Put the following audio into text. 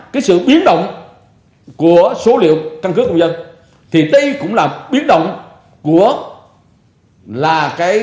cái sự biến động của số liệu căn cứ công dân thì đây cũng là biến động của là cái